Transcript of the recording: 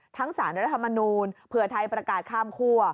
ทั้งศาลและรัฐมนูลเผื่อไทยประกาศข้ามครัว